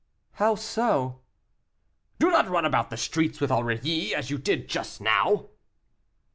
"How so?" "Do not run about the streets with Aurilly, as you did just now."